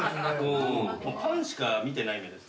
パンしか見てないみたい。